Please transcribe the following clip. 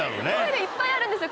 いっぱいあるんですよ